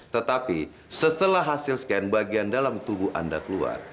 tetapi setelah hasil scan bagian dalam tubuh anda keluar